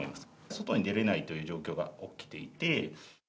外に出れないという状況が起きていて。